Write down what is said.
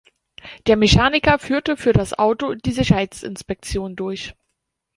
Der Mechaniker führte für das Auto die Sicherheitsinspektion durch.